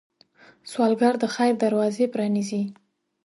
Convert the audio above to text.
سوالګر د خیر دروازې پرانيزي